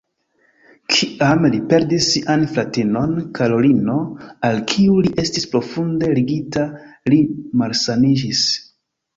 Kiam li perdis sian fratinon Karolino, al kiu li estis profunde ligita, li malsaniĝis.